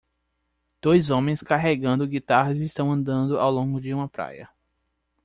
Dois homens carregando guitarras estão andando ao longo de uma praia